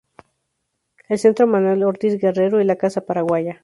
El Centro Manuel Ortiz Guerrero y la Casa Paraguaya.